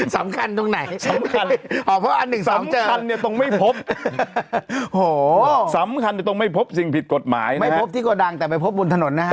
สำคัญตรงไหนสำคัญตรงไม่พบไม่พบที่โกดังแต่ไม่พบบนถนนนะครับ